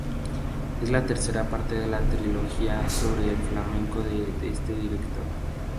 Es la tercera parte de la trilogía sobre el flamenco de este director.